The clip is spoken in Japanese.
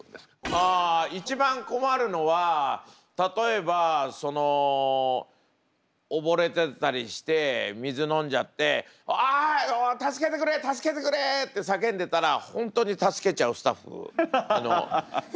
あ一番困るのは例えばその溺れてたりして水飲んじゃって「おい助けてくれ助けてくれ！」って叫んでたら本当に助けちゃうスタッフ。